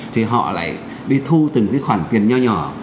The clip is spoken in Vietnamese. thì họ lại đi thu từng cái khoản tiền nhỏ nhỏ